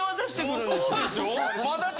そうでしょ？